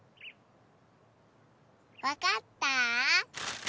わかった？